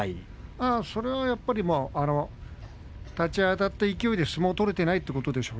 それはやっぱり立ち合いあたった勢いで相撲が取れていないということです。